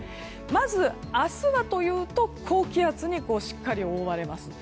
まず、明日はというと高気圧にしっかり覆われます。